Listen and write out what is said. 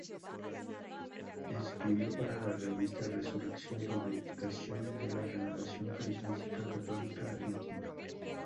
Escribió para la revista "Resurrección", publicación de la "Renovación Carismática Católica Argentina".